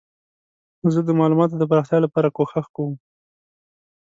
زه د معلوماتو د پراختیا لپاره کوښښ کوم.